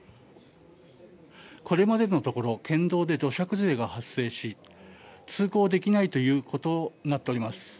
これまでのところ県道で土砂崩れが発生し通行できないということになっております。